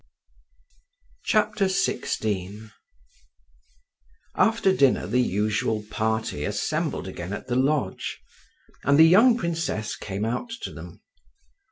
XVI After dinner the usual party assembled again at the lodge, and the young princess came out to them.